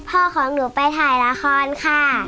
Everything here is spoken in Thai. ของหนูไปถ่ายละครค่ะ